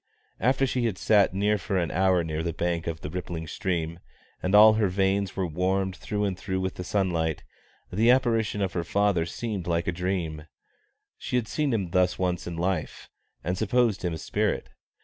After she had sat for an hour near the bank of the rippling stream, and all her veins were warmed through and through with the sunlight, the apparition of her father seemed like a dream. She had seen him thus once in life, and supposed him a spirit.